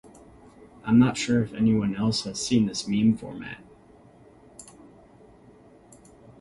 I'm not sure if anybody else has seen this meme format.